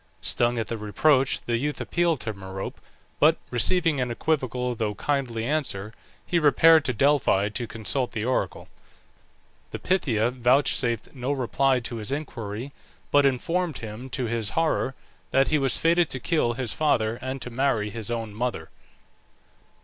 Stung at this reproach the youth appealed to Merope, but receiving an equivocal, though kindly answer, he repaired to Delphi to consult the oracle. The Pythia vouchsafed no reply to his inquiry, but informed him, to his horror, that he was fated to kill his father and to marry his own mother.